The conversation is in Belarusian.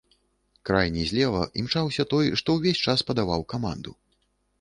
Крайні злева імчаўся той, што ўвесь час падаваў каманду.